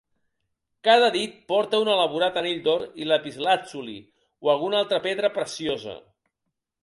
Cada dit porta un elaborat anell d'or i lapislàtzuli o algun altra pedra preciosa.